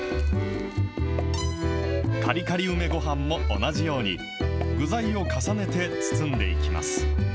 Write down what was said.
カリカリ梅ごはんも同じように、具材を重ねて包んでいきます。